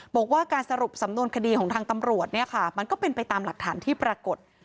บอกว่าการสรุปสำนวนคดีของทางตำรวจเนี่ยค่ะมันก็เป็นไปตามหลักฐานที่ปรากฏ